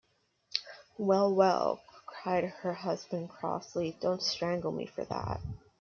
‘Well, well,’ cried her husband, crossly, ‘don’t strangle me for that!'